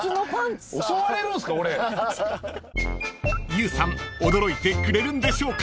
［ＹＯＵさん驚いてくれるんでしょうか？］